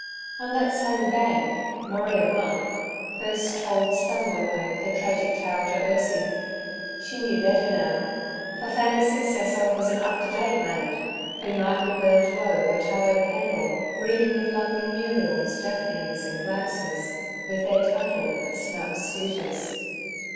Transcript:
On that same bank 'Maria Monk' first told stumblingly her tragic tale to Ursie. She knew better now, for Fanny's successor was an up to date maid, who nightly burned low her tallow candle reading of lovely Muriels, Daphnes, and Gladys, with their titled, but snubbed suitors.